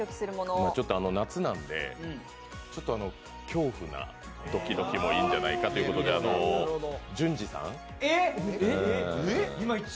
今、夏なんでちょっと恐怖なドキドキもいいんじゃないかということで淳二さん。